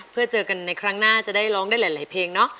เพื่อเจอกันในครั้งหน้าจะได้ร้องได้หลายเพลงเนาะ